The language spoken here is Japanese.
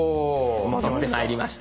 戻ってまいりました。